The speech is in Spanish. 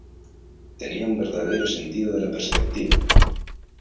Tenía un verdadero sentido de la perspectiva.